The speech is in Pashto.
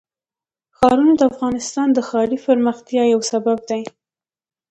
ښارونه د افغانستان د ښاري پراختیا یو سبب دی.